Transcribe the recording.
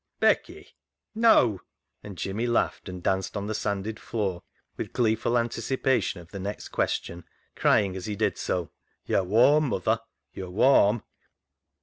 " Becky ? Neaw," and Jimmy laughed and danced on the sanded floor with gleeful anticipation of the next question, crying as he did so, " Yo're warm, muther ; yo're warm."